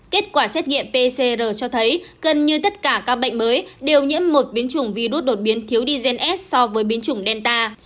kết quả xét nghiệm pcr cho thấy gần như tất cả các bệnh mới đều nhiễm một biến chủng virus đột biến thiếu dgs so với biến chủng delta